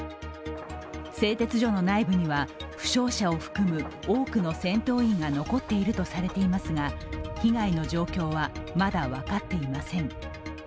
製鉄所の内部には負傷者を含む多くの戦闘員が残っているとされていますが被害の状況はまだ分かっていません。